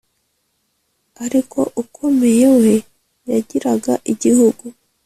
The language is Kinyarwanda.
ariko ukomeye we yagiraga igihugu,